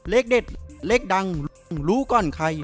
เลขเด็ดเลขดังรู้ก่อนใคร